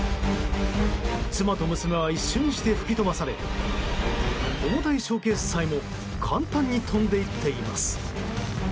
妻と娘は一瞬にして吹き飛ばされ重たいショーケースさえも簡単に飛んでいっています。